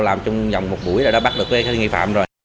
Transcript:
làm chung dòng một buổi đã bắt được cái nghị phạm rồi